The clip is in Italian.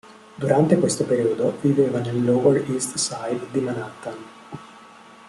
Durante questo periodo viveva nel Lower East Side di Manhattan.